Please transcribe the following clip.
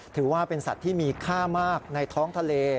ถือว่าเป็นสัตว์ที่มีค่ามากในท้องทะเล